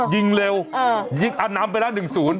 ยิงเร็วยิงอันนำไปแล้ว๑๐